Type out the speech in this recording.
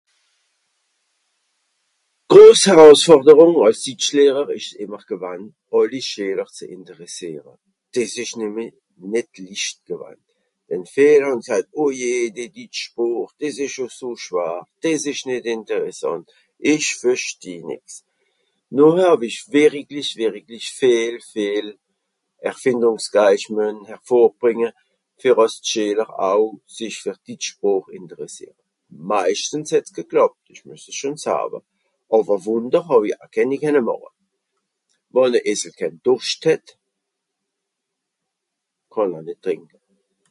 Le plus difficile était d'intéresser les écoliers a la langue allemande Il a fallu que je fasse preuve d'imagination pour attirer leur intérêt